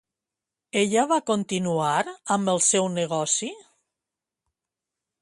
Ella va continuar amb el seu negoci?